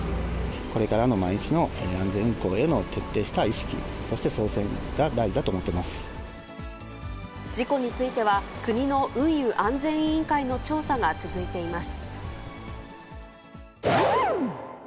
これからの毎日の安全運航への徹底した意識、そして操船が大事だ事故については、国の運輸安全委員会の調査が続いています。